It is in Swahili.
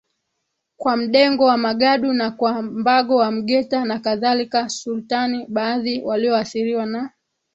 kwa Mdengo wa Magadu na kwa Mbago wa Mgeta nakadhalikaSultan Baadhi walioathiriwa na